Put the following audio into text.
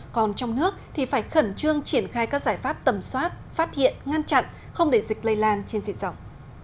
còn trong nước thì phải khẩn trương triển khai các giải pháp tầm soát phát hiện ngăn chặn không để dịch lây lan trên dịch dòng